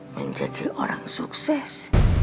menjadi orang sukses